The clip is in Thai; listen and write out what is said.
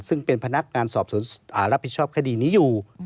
ซึ่งเป็นพนักงานสอบสวนรับผิดชอบคดีนี้อยู่